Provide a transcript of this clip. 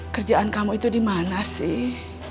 kerjaan kamu itu di mana sih